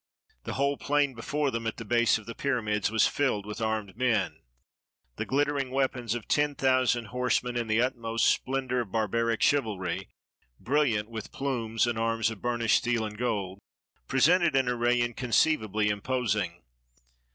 The whole plain before them, at the base of the pyramids, was filled with armed men. The glittering weapons of ten thousand horsemen, in the utmost splendor of bar baric chivalry, brilliant with plumes and arms of bur nished steel and gold, presented an array inconceivably imposing.